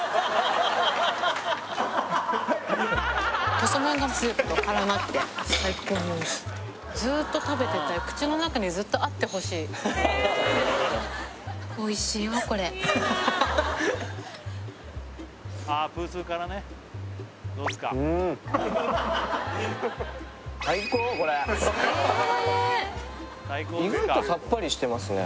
細麺がスープと絡まって最高においしいずっと食べてたい口の中にずっとあってほしいおいしいわこれ最高これ最高だね意外とさっぱりしてますね